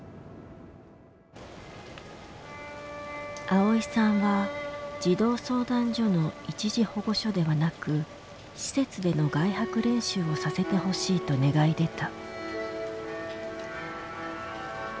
あおいさんは児童相談所の一時保護所ではなく施設での外泊練習をさせてほしいと願い出た。